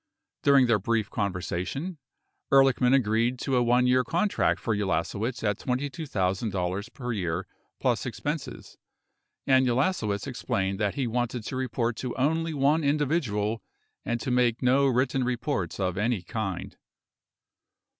5 During their brief conversation, Ehrlichman agreed to a 1 year contract for Ulasewicz at $22,000 a year plus expenses, and Ulasewicz explained that he wanted to report to only one individual and to make no written reports of any kind.